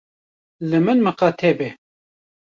Li min miqate be.